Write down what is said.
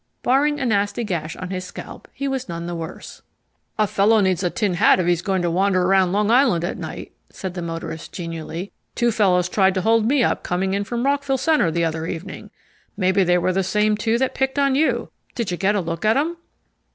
Barring a nasty gash on his scalp he was none the worse. "A fellow needs a tin hat if he's going to wander round Long Island at night," said the motorist genially. "Two fellows tried to hold me up coming in from Rockville Centre the other evening. Maybe they were the same two that picked on you. Did you get a look at them?"